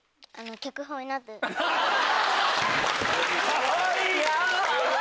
かわいい！